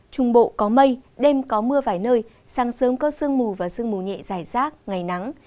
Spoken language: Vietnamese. trung bộ có mây đêm có mưa vài nơi sáng sớm có sương mù và sương mù nhẹ dài rác ngày nắng